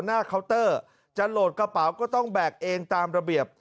เคาน์เตอร์จะโหลดกระเป๋าก็ต้องแบกเองตามระเบียบ